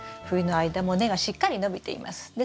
冬の間も根がしっかり伸びています。